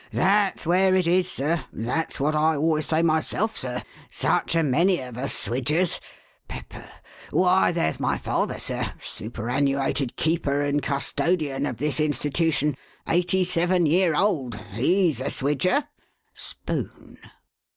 "That's where it is, sir. That's what I always say myself, sir. Such a many of us Swidgers !— Pepper. W^hy there's my father, sir, superannuated keeper and custodian of this Institution, eigh ty seven year old. He's a Swidger !— Spoon."